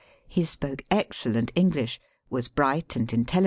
He spoke excellent English, was bright and intelligent.